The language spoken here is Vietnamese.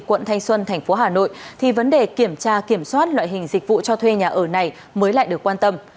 quận thanh xuân thành phố hà nội thì vấn đề kiểm tra kiểm soát loại hình dịch vụ cho thuê nhà ở này mới lại được quan tâm